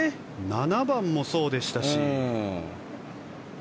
７番もそうでしたし。